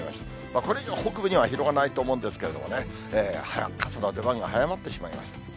これ以上、北部には広がらないと思うんですけれどもね、早く、傘の出番が早まってしまいました。